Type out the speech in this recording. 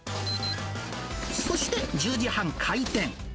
そして１０時半開店。